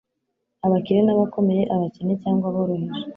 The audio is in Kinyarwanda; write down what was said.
abakire n'abakomeye, abakene cyangwa aboroheje,